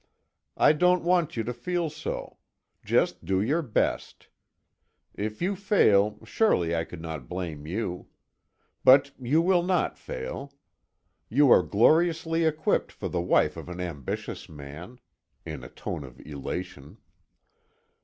I don't want you to feel so; just do your best. If you fail, surely I could not blame you. But you will not fail. You are gloriously equipped for the wife of an ambitious man," in a tone of elation.